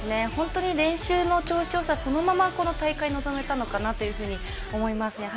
本当に練習の調子の良さ、そのままこの大会に臨めたのかなと思います。